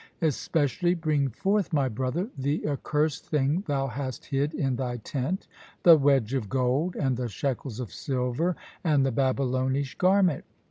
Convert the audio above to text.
Especially bring forth, my brother, the accursed thing thou hast hid in thy tent, the wedge of gold, and the shekels of silver, and the Babylonish garment.